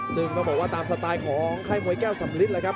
ซึ่งตามสไตล์ของใครมวยแก้วสำริดนะครับ